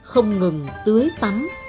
không ngừng tưới tắm